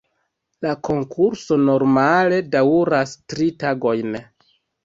La konkurso normale daŭras tri tagojn.